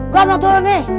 gue mau turun nih